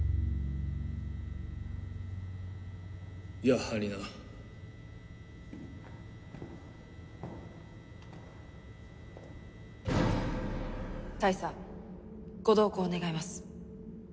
やはりな大佐ご同行願います